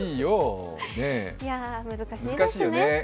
難しいですね。